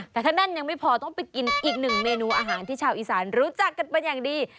แต่ถ้าแน่นยังไม่พอต้องไปกินอีกหนึ่งเมนูอาหารที่ชาวอีสานรู้จักกันเป็นอย่างดี